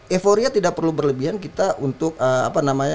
euforia tidak perlu berlebihan kita untuk apa namanya